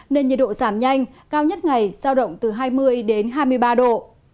nên nhiệt độ giảm nhanh cao nhất ngày sao động từ hai mươi đến hai mươi ba độ